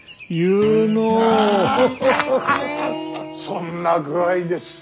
そんな具合です。